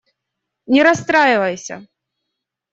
Не расстраивайся.